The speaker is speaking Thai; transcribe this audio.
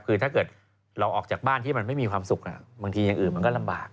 คือถ้าเกิดเราออกจากบ้านที่มันไม่มีความสุขบางทีอย่างอื่นมันก็ลำบาก